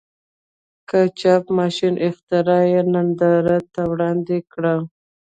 د چاپ ماشین اختراع یې نندارې ته وړاندې کړه.